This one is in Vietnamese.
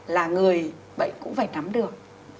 là người bệnh cũng phải nắm được